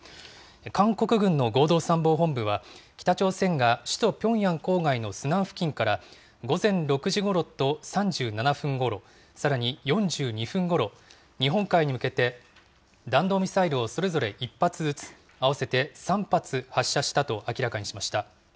韓国軍の合同参謀本部は、北朝鮮が首都ピョンヤン郊外のスナン付近から午前６時ごろと３７分ごろ、さらに、４２分ごろ、日本海に向けて弾道ミサイルをそれぞれ１発ずつ、合わせて３発発射したと明らかにしました。